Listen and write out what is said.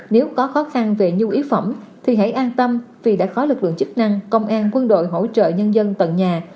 nếu có khó khăn về nhu yếu phẩm thì hãy an tâm vì đã có lực lượng chức năng công an quân đội hỗ trợ nhân dân tận nhà